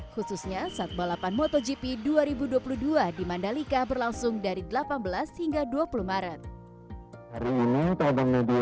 khususnya saat balapan motogp dua ribu dua puluh dua di mandalika berlangsung dari delapan belas hingga dua puluh maret hari ini